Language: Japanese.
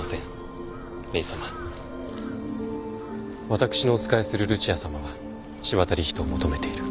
私のお仕えするルチアさまは柴田理人を求めている。